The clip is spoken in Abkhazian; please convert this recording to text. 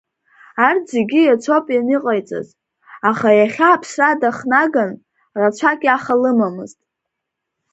Арҭ зегьы иацоуп ианыҟиаҵаз, аха иахьа аԥсра дахнаган, рацәак иаха лымамызт.